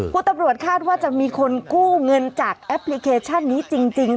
คุณตำรวจคาดว่าจะมีคนกู้เงินจากแอปพลิเคชันนี้จริง